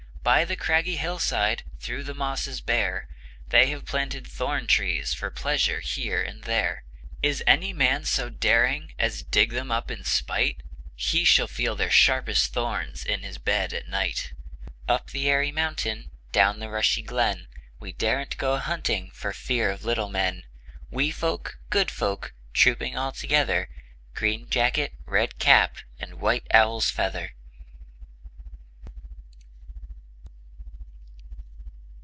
By the craggy hillside, Through the mosses bare, They have planted thorn trees For pleasure here and there. Is any man so daring As dig them up in spite, He shall feel their sharpest thorns In his bed at night. Up the airy mountain, Down the rushy glen, We daren't go a hunting For fear of little men: Wee folk, good folk, Trooping all together; Green jacket, red cap, And white owl's feather.